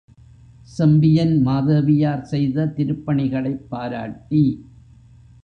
செம்பியன் மாதேவியார் செய்த திருப்பணிகளைப் பாராட்டி.